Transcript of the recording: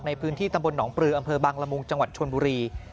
ในพื้นที่ตำบลหนองปลืออำเภอบังละมุงจังหวัดชนบุรี